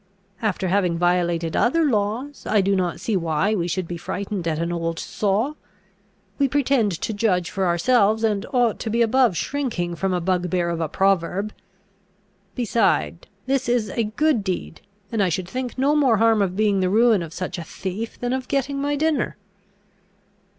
After having violated other laws, I do not see why we should be frightened at an old saw. We pretend to judge for ourselves, and ought to be above shrinking from a bugbear of a proverb. Beside, this is a good deed, and I should think no more harm of being the ruin of such a thief than of getting my dinner."